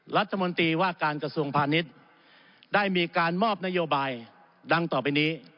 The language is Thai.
รัฐมนตรีว่าการกระทรวงพาณิชย์ได้มีการมอบนโยบายดังต่อไปนี้